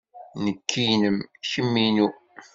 Nekk inem, kemm inu.